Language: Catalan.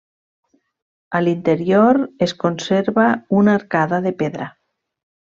A l'interior es conserva una arcada de pedra.